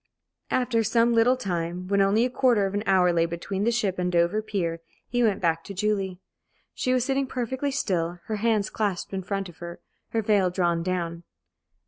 After some little time, when only a quarter of an hour lay between the ship and Dover pier, he went back to Julie. She was sitting perfectly still, her hands clasped in front of her, her veil drawn down.